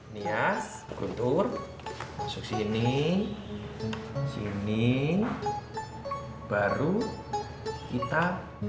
nias guntur masuk sini sini baru kita